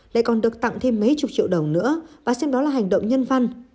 lại còn được tặng thêm mấy chục triệu đồng nữa và xem đó là hành động nhân văn